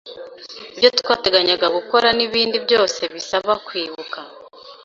ibyo twateganyaga gukora n’ibindi byose bisaba kwibuka.